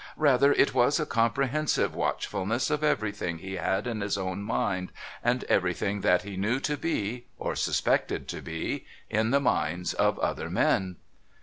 Rather, it was a comprehensive watch fulness of everything he had in his own mind, and everything that he knew to be, or suspected to be, in the minds of other men.